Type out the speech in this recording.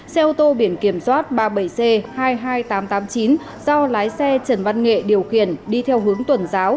xe ô tô biển kiểm soát ba mươi bảy c hai mươi hai nghìn tám trăm tám mươi chín do lái xe trần văn nghệ điều khiển đi theo hướng tuần giáo